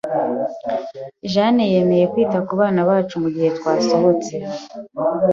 Jane yemeye kwita kubana bacu mugihe twasohotse.